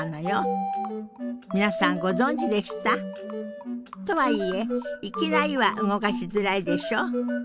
皆さんご存じでした？とはいえいきなりは動かしづらいでしょ？